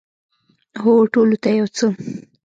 هو، ټولو ته یو څه